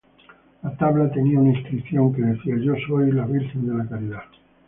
La tabla tenía una inscripción que decía: ""Yo soy la Virgen de la Caridad"".